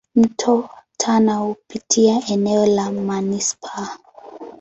Mto Tana hupitia eneo la manispaa.